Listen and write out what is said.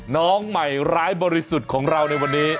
น้องใหม่ร้ายบริสุทธิ์ของเราในวันนี้